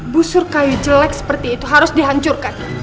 busur kayu jelek seperti itu harus dihancurkan